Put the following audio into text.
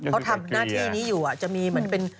เขาทำหน้าที่นี้อยู่จะมีเหมือนเป็น